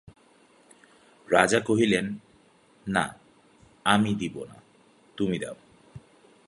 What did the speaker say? রাজা কহিলেন, না, আমি দিব না, তুমি দাও।